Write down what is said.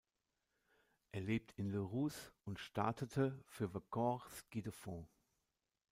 Er lebt in Les Rousses und startete für "Vercors Ski de Fond".